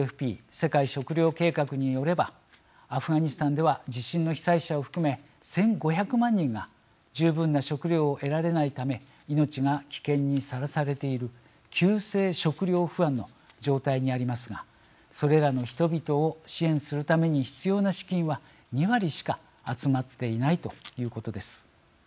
世界食糧計画によればアフガニスタンでは地震の被災者を含め１，５００万人が十分な食料を得られないため命が危険にさらされている急性食料不安の状態にありますがそれらの人々を支援するために必要な資金は２割しか集まっていないということです。